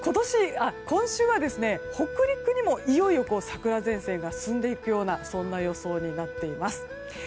今週は、北陸にもいよいよ桜前線が進んでいくような予想になっています。